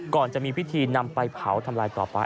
ก่อนจะมีพิธีนำไปเผาทำลายต่อไป